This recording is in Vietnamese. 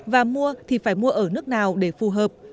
và mua thì phải mua ở nước nào để phù hợp